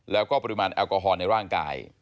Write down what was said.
แล้วก็ปริมาณแอลกอฮอลในร่างกาย